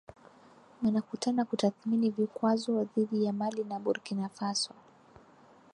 wakutana kutathmini vikwazo dhidi ya Mali na Burkina Faso